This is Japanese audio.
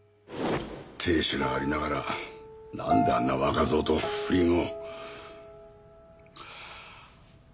亭主がありながらなんであんな若造と不倫を。